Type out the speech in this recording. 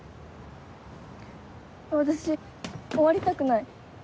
私終わりたくない。